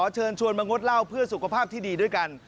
เชิญชวนมางดเหล้าเพื่อสุขภาพที่ดีด้วยกัน